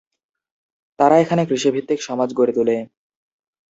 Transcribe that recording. তারা এখানে কৃষিভিত্তিক সমাজ গড়ে তুলে।